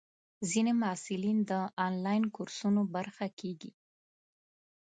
ځینې محصلین د انلاین کورسونو برخه کېږي.